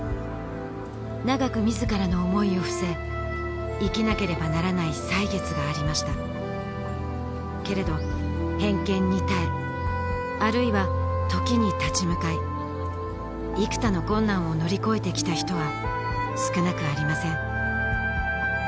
長く自らの思いを伏せ生きなければならない歳月がありましたけれど偏見に耐えあるいは時に立ち向かい幾多の困難を乗り越えてきた人は少なくありません